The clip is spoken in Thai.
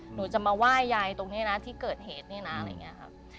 หนูจะมาไหว้ยายตรงนี้นะที่เกิดเหตุเนี่ยนะอะไรอย่างนี้ครับ